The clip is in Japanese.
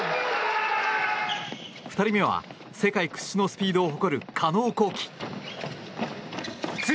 ２人目は、世界屈指のスピードを誇る加納虹輝。